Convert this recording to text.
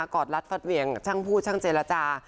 กรอดลัดฝัดเหวียงช่างผู้ช่างเจรจา